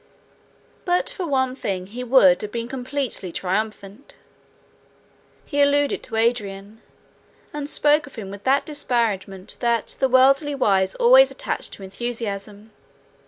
But for one thing he would have been completely triumphant. He alluded to Adrian, and spoke of him with that disparagement that the worldly wise always attach to enthusiasm.